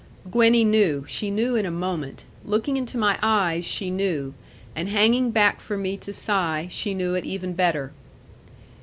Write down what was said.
Gwenny knew; she knew in a moment. Looking into my eyes, she knew; and hanging back from me to sigh, she knew it even better.